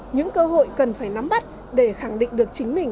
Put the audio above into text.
những cơ hội cần phải nắm bắt để khẳng định được chính mình